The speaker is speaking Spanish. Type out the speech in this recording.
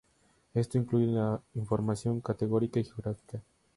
Esto incluye la información categórica y geográfica.